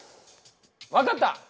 分かった！